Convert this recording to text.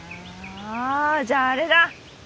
あじゃああれだ。